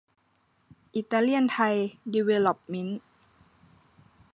อิตาเลียนไทย ดีเวล๊อปเมนต์